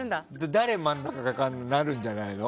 誰が真ん中とかなるんじゃないの。